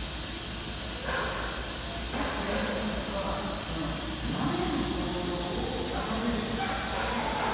まず大切なことはそのなめる行動を出させることなんですね。